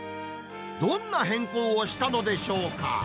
どんな変更をしたのでしょうか。